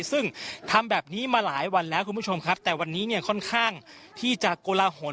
ซึ่งทำแบบนี้มาหลายวันแล้วคุณผู้ชมครับแต่วันนี้เนี่ยค่อนข้างที่จะโกลาหล